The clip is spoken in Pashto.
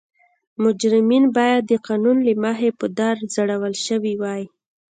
مجرمین باید د قانون له مخې په دار ځړول شوي وای.